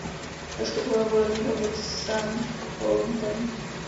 Zastupoval volební obvod Sankt Pölten.